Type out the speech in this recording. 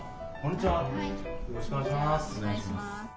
よろしくお願いします。